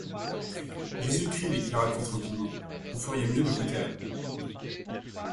Jésus-Christ, déclara-t-il tranquillement, vous feriez mieux de vous taire...